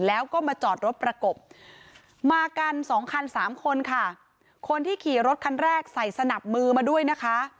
แล้วก็มาจอดรถประกบมากันสองคันสามคนค่ะคนที่ขี่รถคันแรกใส่สนับมือมาด้วยนะคะ